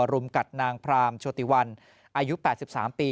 รุมกัดนางพรามโชติวันอายุแปดสิบสามปี